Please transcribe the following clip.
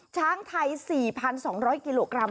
ช้างไทย๔๒๐๐กิโลกรัม